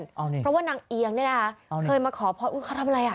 เอาหนึ่งเพราะว่านางเอียงเนี่ยนะเอาหนึ่งเคยมาขอพรอือเขาทำอะไรอะ